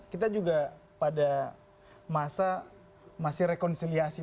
kita juga pada masa masih rekonsiliasi